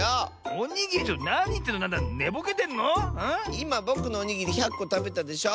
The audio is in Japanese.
いまぼくのおにぎり１００こたべたでしょ！